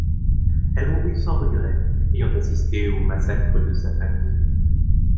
Elle mourut sans regrets, ayant assisté au massacre de sa famille.